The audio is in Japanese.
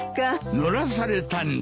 乗らされたんだ。